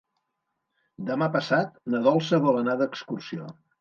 Demà passat na Dolça vol anar d'excursió.